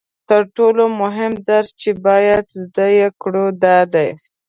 تر ټولو مهم درس چې باید زده یې کړو دا دی